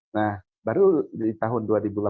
nah baru di tahun dua ribu delapan belas